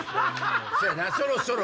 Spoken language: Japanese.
そうやなそろそろ。